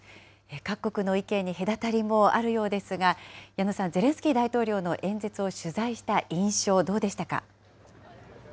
各国の意見に隔たりもあるようですが、矢野さん、ゼレンスキー大統領の演説を取材した印象、どうでしたか。